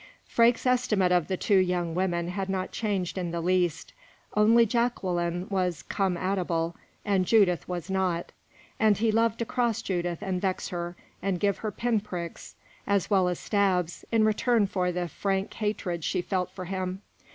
Freke's estimate of the two young women had not changed in the least only Jacqueline was come at able and Judith was not and he loved to cross Judith and vex her, and give her pin sticks as well as stabs in return for the frank hatred she felt for him.